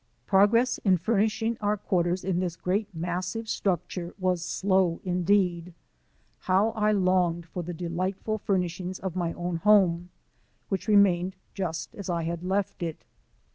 • Progress in furnishing our quarters in this great massive structure was slow indeed. How I longed for the delightful furnishings of my own home, which remained just as I had left it.